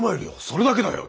それだけだよ。